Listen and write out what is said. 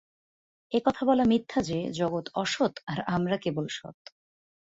এ-কথা বলা মিথ্যা যে, জগৎ অসৎ আর আমরা কেবল সৎ।